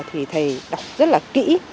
thì thầy đọc rất là kỹ